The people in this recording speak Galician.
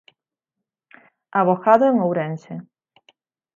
Avogado en Ourense.